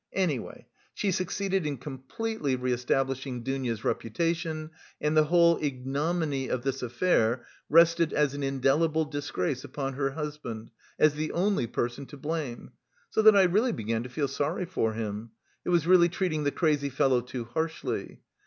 Anyway she succeeded in completely re establishing Dounia's reputation and the whole ignominy of this affair rested as an indelible disgrace upon her husband, as the only person to blame, so that I really began to feel sorry for him; it was really treating the crazy fellow too harshly.